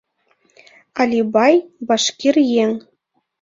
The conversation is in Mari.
Алибай — башкир еҥ.